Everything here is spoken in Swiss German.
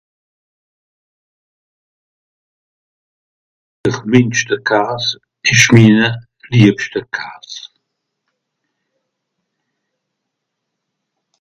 D'r Mìnschterkas ìsch miner liebschte Kas.